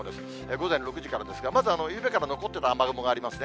午前６時からですが、まずは昨夜から残っていた雨雲がありますね。